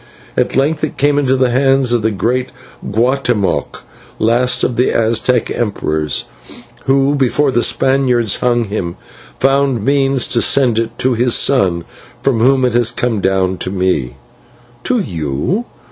At length it came into the hands of the great Guatemoc, last of the Aztec emperors, who, before the Spaniards hung him, found means to send it to his son, from whom it has come down to me." "To you?